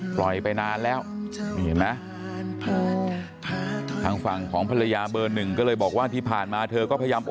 ปล่อยไปนานแล้วทางฝั่งของภรรยาเบอร์๑ก็เลยบอกว่าที่ผ่านมาเธอก็พยายาม